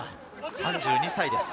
３２歳です。